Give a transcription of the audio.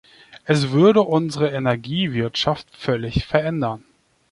Es würde unsere Energiewirtschaft völlig verändern.